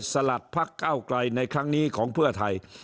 สลัดพักเก้าไกลในครั้งนี้ของเพื่อไทย